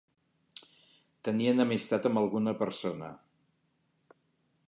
Tenir enemistat amb alguna persona.